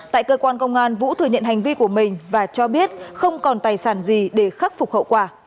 tại cơ quan công an vũ thừa nhận hành vi của mình và cho biết không còn tài sản gì để khắc phục hậu quả